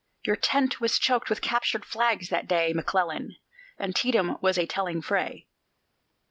Your tent was choked with captured flags that day, McClellan. Antietam was a telling fray.